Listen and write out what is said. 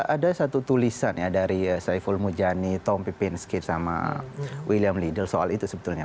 ada satu tulisan ya dari saiful mujani tom pipinskit sama william liddle soal itu sebetulnya